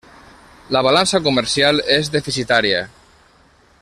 La balança comercial és deficitària.